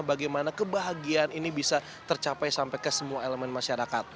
bagaimana kebahagiaan ini bisa tercapai sampai ke semua elemen masyarakat